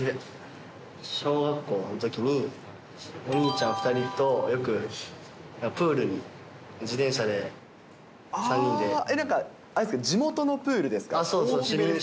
小学校のときに、お兄ちゃん２人と、よくプールに、なんかあれですか、地元のプそうです。